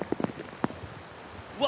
うわ！